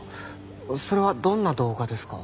それはどんな動画ですか？